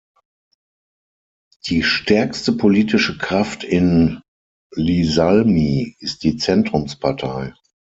Die stärkste politische Kraft in Iisalmi ist die Zentrumspartei.